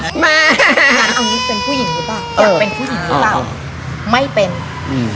อยากเป็นผู้หญิงหรือไม่คือเป็นไม่ต่าง